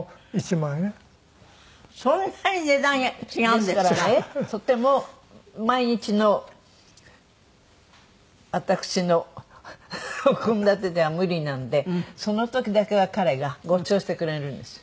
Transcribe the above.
ですからねとても毎日の私の献立では無理なんでその時だけは彼がごちそうしてくれるんですよ。